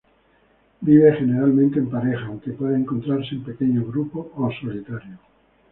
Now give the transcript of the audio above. Vive generalmente en pareja, aunque puede encontrarse en pequeños grupos o solitario.